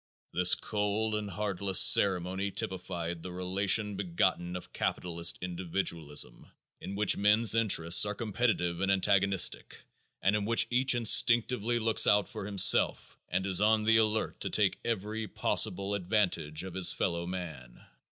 This cold and heartless ceremony typified the relation begotten of capitalist individualism in which men's interests are competitive and antagonistic and in which each instinctively looks out for himself and is on the alert to take every possible advantage of his fellow man.